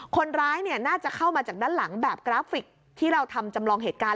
คนร้ายน่าจะเข้ามาจากด้านหลังแบบกราฟิกที่เราทำจำลองเหตุการณ์